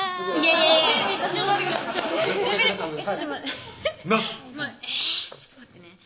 えぇちょっと待ってね